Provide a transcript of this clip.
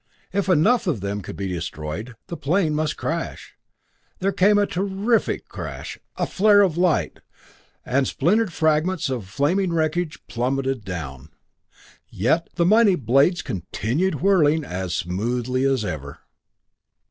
If enough of them could be destroyed, the plane must crash. There came a terrific crash a flare of light and splintered fragments of flaming wreckage plummeted down. Yet the mighty blades continued whirling as smoothly as ever!